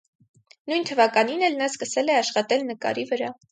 Նույն թվականին էլ նա սկսել է աշխատել նկարի վրա։